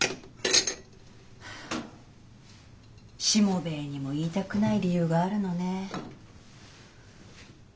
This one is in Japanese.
しもべえにも言いたくない理由があるのね。